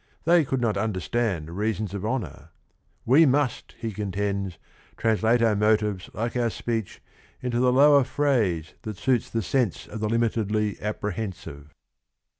They could not understand reasons of honor. We must, he contends, "translate our motives like our speech into the lower phrase that suits the sense of the limitedly apprehensive."